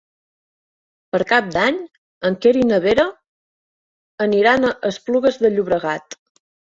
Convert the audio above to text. Per Cap d'Any en Quer i na Vera aniran a Esplugues de Llobregat.